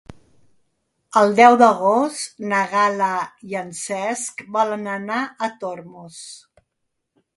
El deu d'agost na Gal·la i en Cesc volen anar a Tormos.